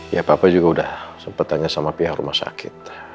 ya papa juga sudah sempat tanya sama pihak rumah sakit